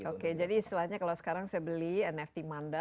oke jadi istilahnya kalau sekarang saya beli nft manda